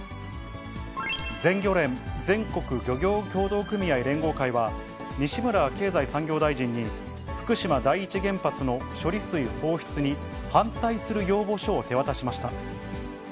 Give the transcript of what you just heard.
全漁連・全国漁業協同組合連合会は、西村経済産業大臣に、福島第一原発の処理水放出に反対する要望書を手渡しました。